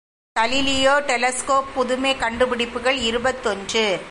Galileo telescope புதுமைக் கண்டுபிடிப்புகள் இருபத்தொன்று.